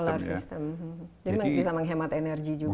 jadi bisa menghemat energi juga